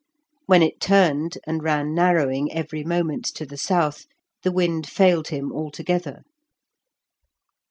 When it turned and ran narrowing every moment to the south, the wind failed him altogether.